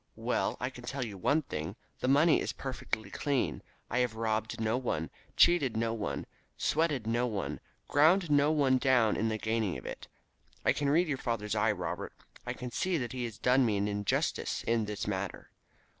Well, I can tell you one thing. The money is perfectly clean. I have robbed no one, cheated no one, sweated no one, ground no one down in the gaining of it. I can read your father's eye, Robert. I can see that he has done me an injustice in this matter.